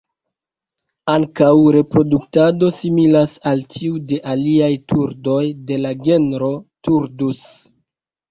Ankaŭ reproduktado similas al tiu de aliaj turdoj de la genro "Turdus".